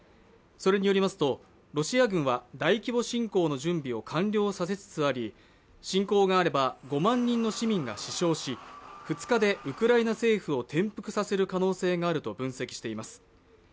それによりますと、ロシア軍は大規模侵攻の準備を完了させつつあり侵攻があれば、５万人の市民が死傷し２日でウクライナ政府を転覆する可能性があると分析しています。